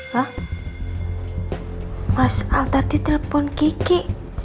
hah masal tadi telpon gigi